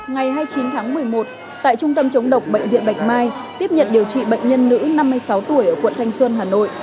ngày hai mươi chín tháng một mươi một tại trung tâm chống độc bệnh viện bạch mai tiếp nhận điều trị bệnh nhân nữ năm mươi sáu tuổi ở quận thanh xuân hà nội